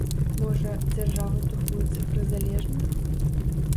Можа, дзяржава турбуецца пра залежных?